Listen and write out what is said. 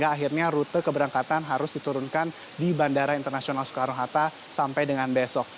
akhirnya rute keberangkatan harus diturunkan di bandara internasional soekarno hatta sampai dengan besok